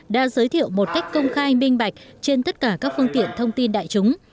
đã giới thiệu một cách công khai minh bạch trên tất cả các phương tiện thông tin đại chúng